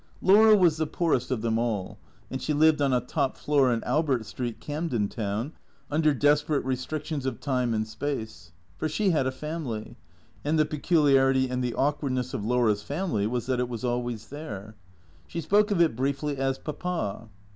Laura was the poorest of them all, and she lived on a top floor in Albert Street, Camden Town, under desperate restric tions of time and space. For she had a family, and the pe culiarity and the awkwardness of Laura's family was that it was always there. She spoke of it briefly as Papa.